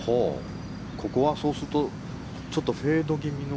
ここはそうするとちょっとフェード気味の。